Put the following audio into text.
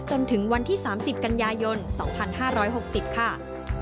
จนถึงวันที่๓๐กันยายน๒๕๖๐ค่ะ